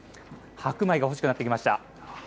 白米が欲しくなってきました。